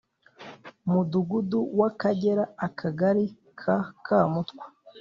Mudugudu w akagera akagari ka kamutwa